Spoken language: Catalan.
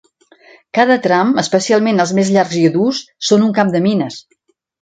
Cada tram, especialment els més llargs i durs, són un camp de mines.